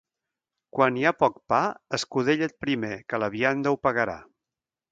Quan hi ha poc pa, escudella't primer, que la vianda ho pagarà.